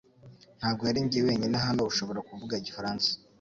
Ntabwo arinjye wenyine hano ushobora kuvuga igifaransa